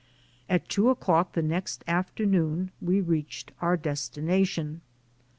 At two o'clock the next after noon we reached our destination.